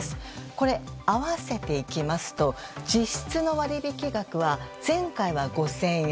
これ、合わせていきますと実質の割引額は前回は５０００円